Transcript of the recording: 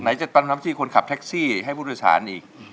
ไหนจะปรับทำที่คนขับแท็กซี่ให้ผู้โดยสารอีก